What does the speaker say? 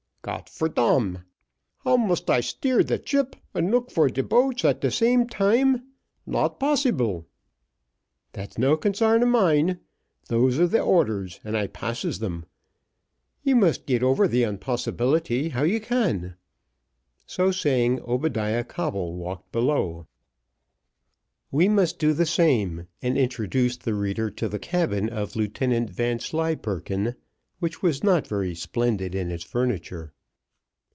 "Got for dam how must I steer the chip and look for de boats at de same time? not possible." "That's no consarn o' mine. Those are the orders, and I passes them you must get over the unpossibility how you can." So saying, Obadiah Coble walked below. We must do the same, and introduce the reader to the cabin of Lieutenant Vanslyperken, which was not very splendid in its furniture.